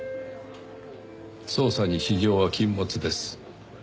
捜査に私情は禁物です。